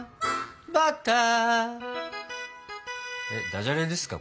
えっダジャレですか？